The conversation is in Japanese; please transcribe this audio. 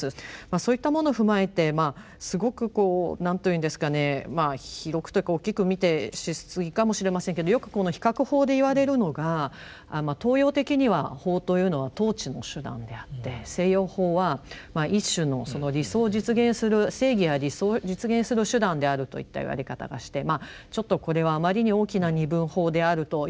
そういったもの踏まえてすごくこうなんと言うんですかね広くというか大きく見てしすぎかもしれませんけどよく比較法で言われるのが東洋的には法というのは統治の手段であって西洋法は一種の理想を実現する正義や理想を実現する手段であるといった言われ方がしてちょっとこれはあまりに大きな二分法であるというふうには思うもののですね